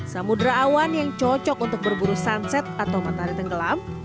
samudera awan yang cocok untuk berburu sunset atau matahari tenggelam